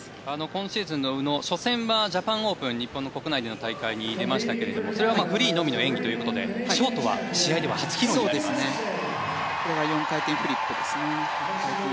今シーズンの宇野、初戦はジャパンオープン日本の国内の大会に出ましたが、それはフリーのみの演技ということで４回転フリップですね。